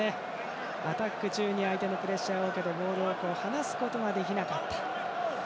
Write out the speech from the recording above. アタック中に相手のプレッシャーを受けてボールを離すことができなかった。